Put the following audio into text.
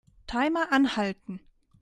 Timer anhalten.